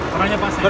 warnanya pas ya